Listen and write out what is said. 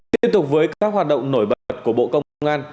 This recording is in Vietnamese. tiếp tục với các hoạt động nổi bật của bộ công an